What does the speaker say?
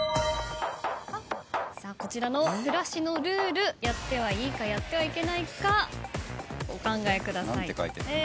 こちらの暮らしのルールやってはいいかやってはいけないかお考えください。